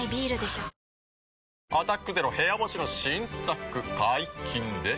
「アタックＺＥＲＯ部屋干し」の新作解禁です。